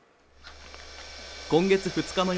今月２日の夜